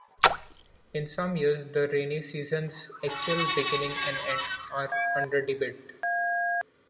In some years, the rainy season's actual beginning and end are under debate.